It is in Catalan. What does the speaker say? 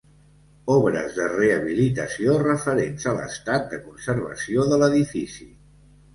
Obres de rehabilitació referents a l'estat de conservació de l'edifici.